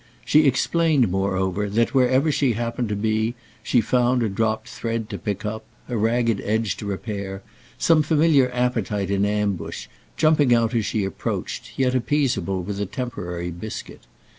She explained moreover that wherever she happened to be she found a dropped thread to pick up, a ragged edge to repair, some familiar appetite in ambush, jumping out as she approached, yet appeasable with a temporary biscuit.